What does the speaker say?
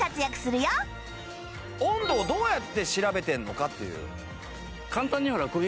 温度をどうやって調べてるのかっていう。